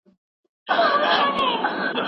د لویې جرګي غړي څنګه له خپلو موکلینو سره اړیکه نیسي؟